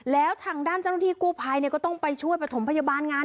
แล้วทางด้านเจ้าหน้าที่กู้ภัยก็ต้องไปช่วยประถมพยาบาลงาน